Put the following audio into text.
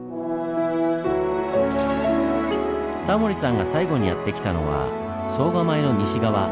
タモリさんが最後にやって来たのは総構の西側。